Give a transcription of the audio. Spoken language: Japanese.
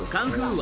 和